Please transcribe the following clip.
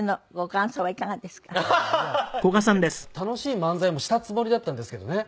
楽しい漫才もしたつもりだったんですけどね。